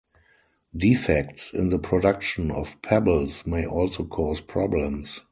Defects in the production of pebbles may also cause problems.